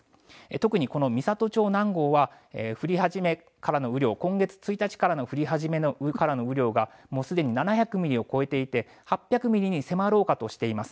特にこの美郷町南郷は降り始めからの雨量今月１日からの降り始めからの雨量がもうすでに７００ミリを超えていて８００ミリに迫ろうかとしています。